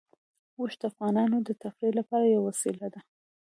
اوښ د افغانانو د تفریح لپاره یوه وسیله ده.